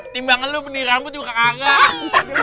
timbangan lu benih rambut juga kagak